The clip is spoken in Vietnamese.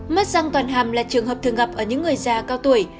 mất răng toàn hàm là trường hợp thường gặp ở những người già cao tuổi